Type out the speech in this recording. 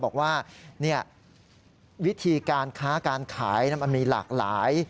บอกว่าวิธีการค้าการขายมันมีหลากหลาย